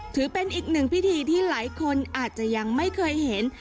ถือเป็นอีกหนึ่งพิธีที่หลายคนอาจจะยังไม่เคยเห็น